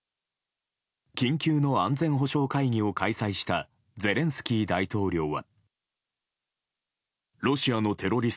緊急の安全保障会議を開催したゼレンスキー大統領は。